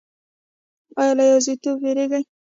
ایا له یوازیتوب ویریږئ؟